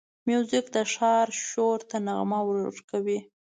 موزیک د ښار شور ته نغمه ورکوي.